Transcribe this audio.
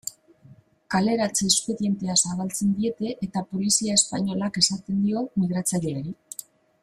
Kaleratze espedientea zabaltzen diete eta polizia espainolak esaten dio migratzaileari.